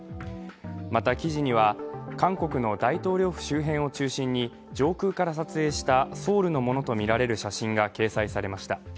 また記事には韓国の大統領府周辺を中心に上空から撮影したソウルのものとみられる写真が掲載されました。